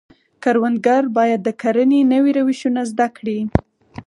کروندګر باید د کرنې نوي روشونه زده کړي.